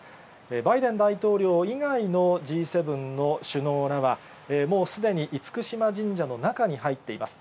バイデン大統領以外のＧ７の首脳らは、もうすでに厳島神社の中に入っています。